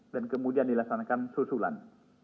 dan kemudian dilaksanakan susulan